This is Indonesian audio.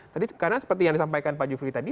karena seperti yang disampaikan pak jufri tadi